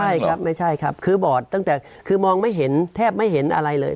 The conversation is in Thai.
ใช่ครับไม่ใช่ครับคือบอดตั้งแต่คือมองไม่เห็นแทบไม่เห็นอะไรเลย